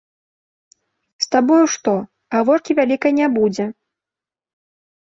З табою што, гаворкі вялікай не будзе.